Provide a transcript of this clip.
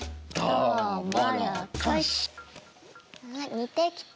似てきた。